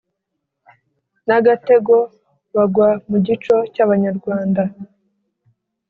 nagatego bagwa mugico cyabanyarwanda